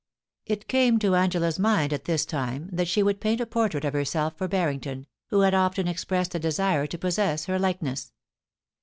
It came into Angela's mind at this time that she would paint a portrait of herself for Barrington, who had often expressed a desire to possess her likeness.